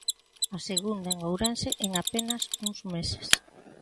A segunda en Ourense en apenas uns meses.